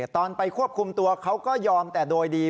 ตอนไปควบคุมตัวเขาก็ยอมแต่โดยดี